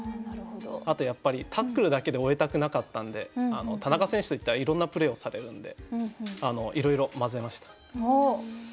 あとやっぱりタックルだけで終えたくなかったんで田中選手といったらいろんなプレーをされるんでいろいろまぜました。